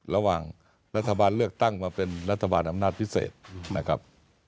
ระหว่างรัฐบาลเลือกตั้งมาเป็นรัฐบาลอำนาจพิเศษนะครับ